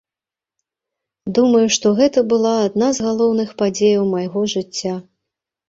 Думаю, што гэта была адна з галоўных падзеяў майго жыцця.